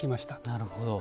なるほど。